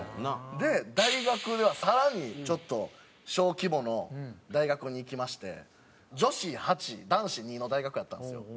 で大学ではさらにちょっと小規模の大学に行きまして女子８男子２の大学やったんですよ。